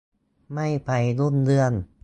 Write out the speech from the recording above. ไม่ไปยุ่งเรื่อง